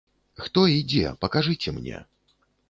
Хто і дзе, пакажыце мне?